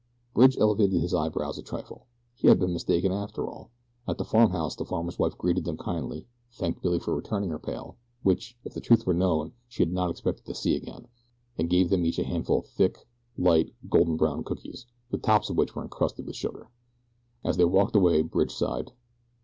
Bridge elevated his eyebrows a trifle. He had been mistaken, after all. At the farmhouse the farmer's wife greeted them kindly, thanked Billy for returning her pail which, if the truth were known, she had not expected to see again and gave them each a handful of thick, light, golden brown cookies, the tops of which were encrusted with sugar. As they walked away Bridge sighed.